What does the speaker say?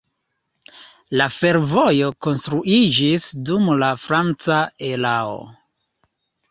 La fervojo konstruiĝis dum la franca erao.